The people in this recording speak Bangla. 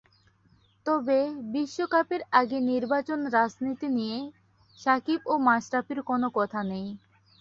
তবে বিশ্বকাপের আগে নির্বাচন রাজনীতি নিয়ে সাকিব ও মাশরাফির কোনো কথা নেই।